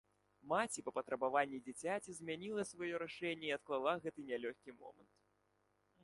Маці па патрабаванні дзіцяці, змяніла сваё рашэнне і адклала гэты нялёгкі момант.